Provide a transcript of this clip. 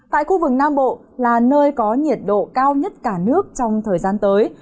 tại khu vực nam bộ là nơi có nhiệt độ cao nhất cả nước trong thời gian tới